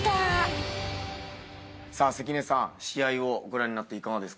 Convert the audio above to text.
関根さん試合をご覧になっていかがですか？